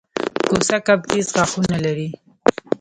کوسه کب تېز غاښونه لري